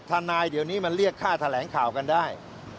ทนายเดี๋ยวนี้มันเรียกค่าแถลงข่าวกันได้